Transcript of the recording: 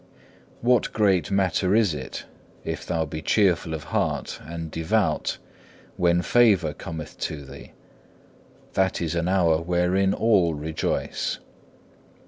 What great matter is it, if thou be cheerful of heart and devout when favour cometh to thee? That is an hour wherein all rejoice.